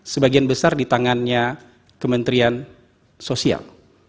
sebagian besar di tangannya kementerian sosial